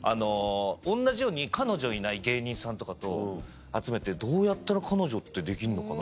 同じように彼女いない芸人さんとかと集めて「どうやったら彼女ってできんのかな？」